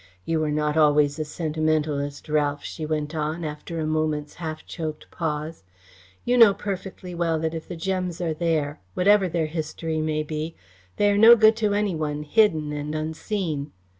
You were not always a sentimentalist, Ralph," she went on, after a moment's half choked pause. "You know perfectly well that if the gems are there, whatever their history may be, they are no good to any one hidden and unseen.